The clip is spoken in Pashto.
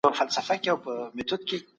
نصرالله په جګړه کې ووژل شو.